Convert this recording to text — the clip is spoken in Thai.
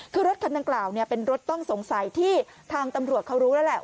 คือรถคันดังกล่าวเป็นรถต้องสงสัยที่ทางตำรวจเขารู้แล้วแหละ